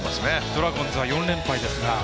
ドラゴンズは４連敗ですが。